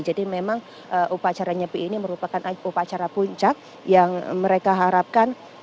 jadi memang upacara nyepi ini merupakan upacara puncak yang mereka harapkan